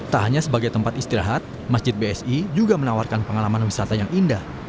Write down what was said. tak hanya sebagai tempat istirahat masjid bsi juga menawarkan pengalaman wisata yang indah